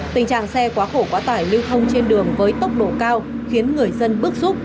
tình trạng xe quá khổ quá tải lưu thông trên đường với tốc độ cao khiến người dân bức xúc